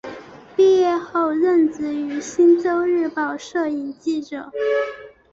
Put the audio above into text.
毕业后任职于星洲日报摄影记者。